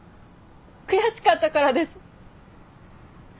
悔しかったからです。